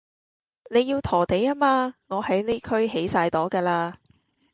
你要陀地吖嘛，我喺呢區起曬朵㗎啦